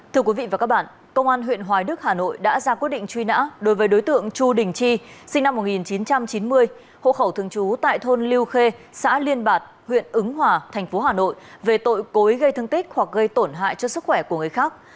thưa quý vị và các bạn công an huyện hoài đức hà nội đã ra quyết định truy nã đối với đối tượng chu đình chi sinh năm một nghìn chín trăm chín mươi hộ khẩu thường trú tại thôn lưu khê xã liên bạc huyện ứng hòa thành phố hà nội về tội cối gây thương tích hoặc gây tổn hại cho sức khỏe của người khác